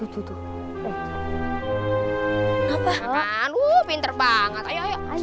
tuh tuh tuh